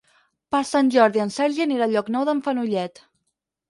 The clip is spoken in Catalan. Per Sant Jordi en Sergi anirà a Llocnou d'en Fenollet.